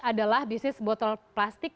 adalah bisnis botol plastik